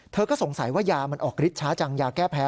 เธอก็สงสัยว่ายามันออกฤทธิช้าจังยาแก้แพ้